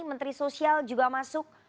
menteri sosial juga masuk